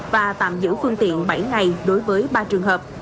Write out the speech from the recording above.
và tạm giữ phương tiện bảy ngày đối với ba trường hợp